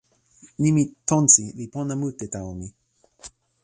nimi "tonsi" li pona mute tawa mi.